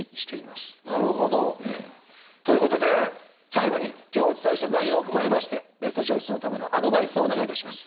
なるほど。ということで最後に今日お伝えした内容を踏まえましてベストチョイスのためのアドバイスをお願いいたします。